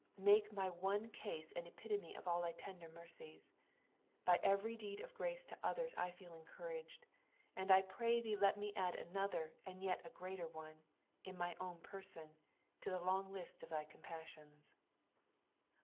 Make my one case an epitome of all thy tender mercies. By every deed of grace to othen I feel encouragfcd, and I pray thee let me add another and a jut greater one, in my own person, to the long list of thy ccmpEisaions.